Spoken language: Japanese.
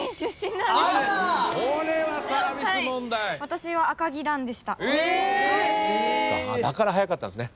だから早かったんですね。